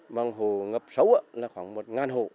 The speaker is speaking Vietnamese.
một hồ ngập xấu là khoảng một ngàn hồ